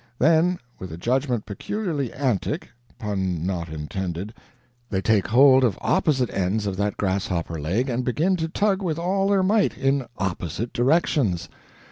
Then, with a judgment peculiarly antic (pun not intended), they take hold of opposite ends of that grasshopper leg and begin to tug with all their might in opposite directions.